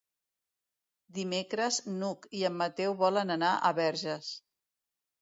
Dimecres n'Hug i en Mateu volen anar a Verges.